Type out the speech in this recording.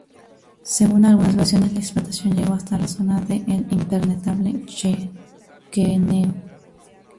Según algunas versiones, la explotación llegó hasta la zona de El Impenetrable chaqueño.